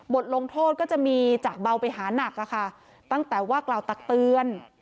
ลงโทษก็จะมีจากเบาไปหานักอะค่ะตั้งแต่ว่ากล่าวตักเตือน